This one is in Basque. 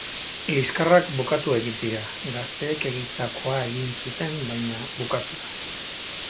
Liskarrak bukatu egin dira, gazteek egindakoa egin zuten, baina bukatu da.